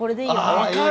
分かる！